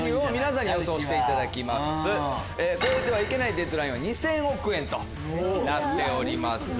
超えてはいけないデッドラインは２０００億円となっております。